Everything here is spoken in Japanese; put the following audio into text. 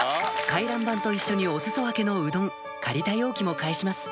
回覧板と一緒にお裾分けのうどん借りた容器も返します